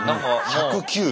１０９。